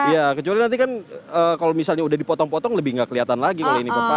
iya kecuali nanti kan kalau misalnya sudah dipotong potong lebih tidak kelihatan lagi kalau ini pepaya